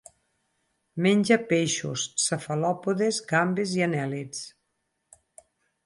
Menja peixos, cefalòpodes, gambes i anèl·lids.